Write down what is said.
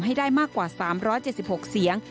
ให้ได้มากกว่า๓๗๖เสียง